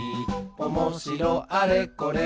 「おもしろあれこれ